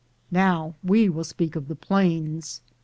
Now we will speak of the plains.